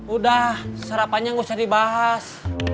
udah sarapannya nggak usah dibahas